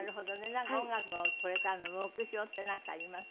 なんか音楽のこれからの目標ってなんかあります？